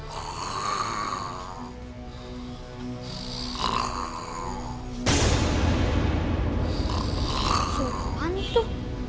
suara apaan itu